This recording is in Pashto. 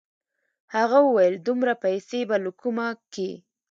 هغه وويل دومره پيسې به له کومه کې.